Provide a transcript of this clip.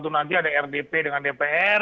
nanti ada rdp dengan dpr